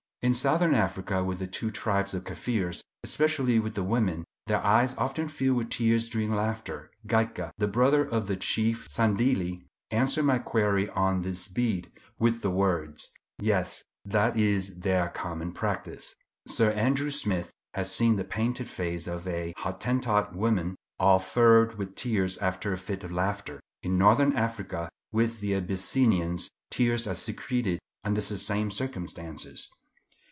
In Southern Africa with two tribes of Kafirs, especially with the women, their eyes often fill with tears during laughter. Gaika, the brother of the chief Sandilli, answers my query on this head, with the words, "Yes, that is their common practice." Sir Andrew Smith has seen the painted face of a Hottentot woman all furrowed with tears after a fit of laughter. In Northern Africa, with the Abyssinians, tears are secreted under the same circumstances.